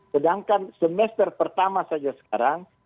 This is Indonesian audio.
sedangkan semester pertama saja sekarang